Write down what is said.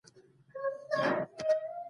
چانسلر له ټولو سره په نوبت روغبړ وکړ